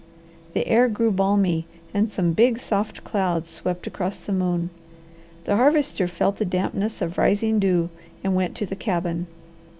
The air grew balmy and some big, soft clouds swept across the moon. The Harvester felt the dampness of rising dew, and went to the cabin.